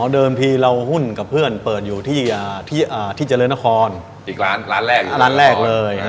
เดิมทีเราหุ้นกับเพื่อนเปิดอยู่ที่เจริญนครอีกร้านแรกร้านแรกเลย